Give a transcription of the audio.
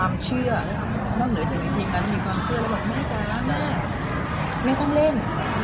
เผย่งเผย่งเธอกล่องแต่แม่ก็ไม่ต้องเล่น